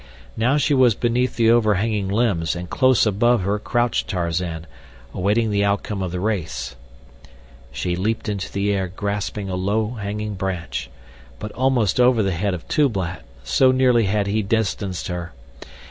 Now she was beneath the overhanging limbs and close above her crouched Tarzan, waiting the outcome of the race. She leaped into the air grasping a low hanging branch, but almost over the head of Tublat, so nearly had he distanced her.